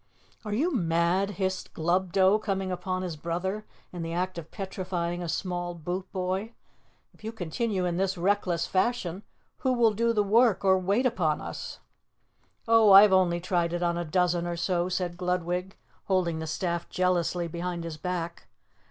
"Are you mad?" hissed Glubdo, coming upon his brother in the act of petrifying a small boot boy. "If you continue in this reckless fashion who will do the work or wait upon us?" "Oh, I've only tried it on a dozen or so," said Gludwig, holding the staff jealously behind his back.